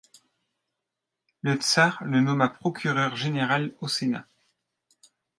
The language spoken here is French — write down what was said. Le tsar le nomma procureur général au Sénat.